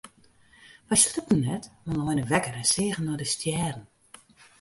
Wy sliepten net mar leine wekker en seagen nei de stjerren.